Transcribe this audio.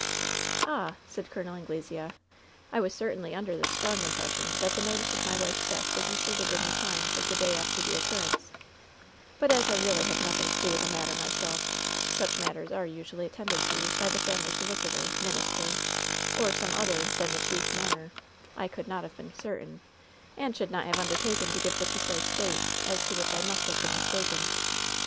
"Ah!" said Col. Anglesea. "I was certainly under the strong impression that the notice of my wife's death was inserted in the Times of the day after the occur rence ; but, as I really had nothing to do with the matter myself — such matters are usually attended to by the family solicitor, minister, or some other than the chief mourner — I could not have been certain, and should not have undertaken to give the precise date, as to which I LOVE'S BITTEREST CUE 119 must have been mistaken.